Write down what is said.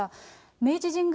明治神宮